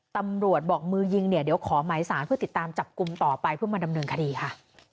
ตำรวจบอกมือยิงเนี่ยเดี๋ยวขอหมายสารเพื่อติดตามจับกลุ่มต่อไปเพื่อมาดำเนินคดีค่ะ